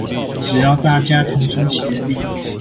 只要大家同心協力